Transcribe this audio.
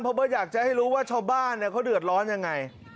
เพราะว่าอยากจะให้รู้ว่าชาวบ้านเขาเดือดร้อนยังไง